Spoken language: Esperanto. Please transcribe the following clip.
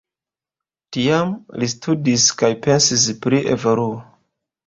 Tiam li studis kaj pensis pri evoluo.